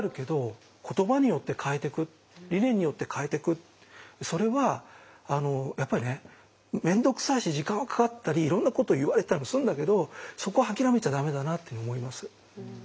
だからそれはやっぱりね面倒くさいし時間かかったりいろんなこと言われたりするんだけどそこを諦めちゃ駄目だなっていうふうに思います。